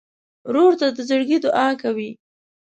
ورور ته د زړګي دعاء کوې.